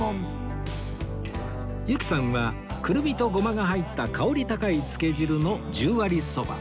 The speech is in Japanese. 由紀さんはくるみとごまが入った香り高いつけ汁の十割そば